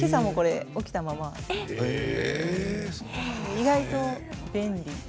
意外と便利。